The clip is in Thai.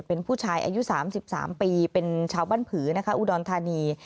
เป็นผู้ชายอายุ๓๓ปีเป็นชาวบ้านผือนะคะอุดรธานี